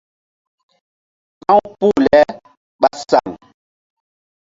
Ka̧w puh le ɓa saŋ.